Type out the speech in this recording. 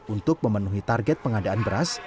untuk memenuhi target pengadaan beras